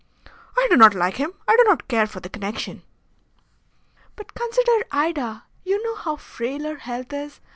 "I do not like him. I do not care for the connection." "But consider Ida! You know how frail her health is.